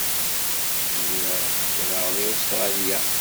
Lliɣ ddreɣ deg Ustṛalya.